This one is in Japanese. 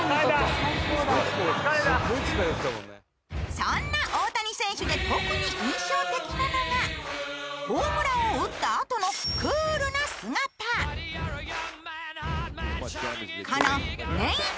そんな大谷選手で特に印象的なのがホームランを打ったあとのクールな姿このネンイチ！